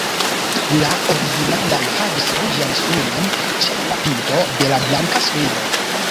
La originala havis ruĝan sunon ĉe la pinto de la blanka strio.